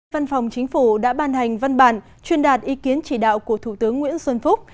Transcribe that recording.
văn phòng chính phủ đã ban hành văn bản truyền đạt ý kiến chỉ đạo của thủ tướng nguyễn xuân phúc